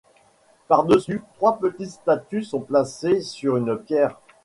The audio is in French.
Par-dessus, trois petites statues sont placées sur une pierre.